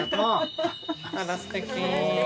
あらすてき。